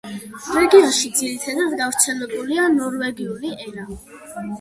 რეგიონში ძირითადად გავრცელებულია ნორვეგიული ენა.